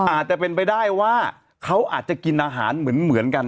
อาจจะเป็นไปได้ว่าเขาอาจจะกินอาหารเหมือนกัน